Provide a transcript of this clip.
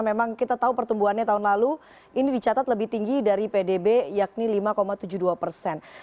memang kita tahu pertumbuhannya tahun lalu ini dicatat lebih tinggi dari pdb yakni lima tujuh puluh dua persen